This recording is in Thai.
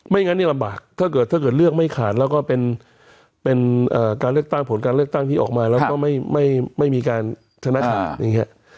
ไม่งั้นนี่ลำบากถ้าเกิดเลือกไม่ขาดแล้วก็เป็นการเลือกตั้งผลการเลือกตั้งที่ออกมาแล้วก็ไม่มีการทะนะขาด